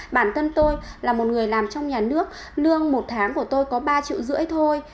bản thân tôi là một người làm trong nhà nước lương một tháng của tôi có ba triệu rưỡi thôi